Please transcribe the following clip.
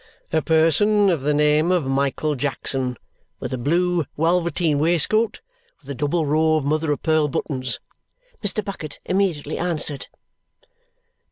"A person of the name of Michael Jackson, with a blue welveteen waistcoat with a double row of mother of pearl buttons," Mr. Bucket immediately answered.